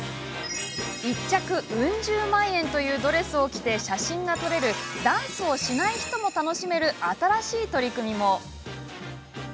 １着ウン十万円というドレスを着て写真が撮れるダンスをしない人も楽しめる新しい取り組みも。